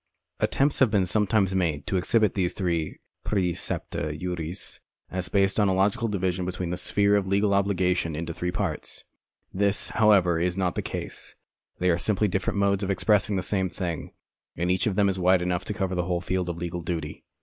Attempts have been sometimes made to exhibit these three praecepta juris as based on a logical division of the sphere of legal obligation into three parts. This, however, is not the case. They are simply different modes of expressing the same thing, and each of them is wide enough to cover the whole field of legal duty.